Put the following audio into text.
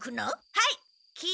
はい！